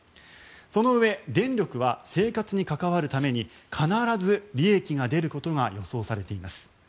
そのうえ、電力は生活に関わるために必ず利益が出ることが予想されています。